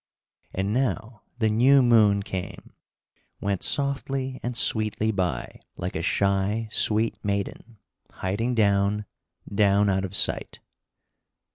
And now the new moon came, went softly and sweetly by, like a shy, sweet maiden, hiding down, down out of sight.